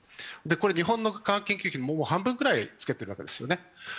日本の科学研究費、半分くらいつけてるわけですよね。